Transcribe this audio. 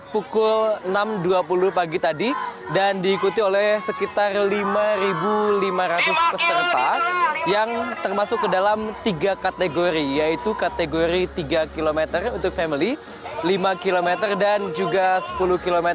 pukul enam dua puluh pagi tadi dan diikuti oleh sekitar lima lima ratus peserta yang termasuk ke dalam tiga kategori yaitu kategori tiga km untuk family lima km dan juga sepuluh km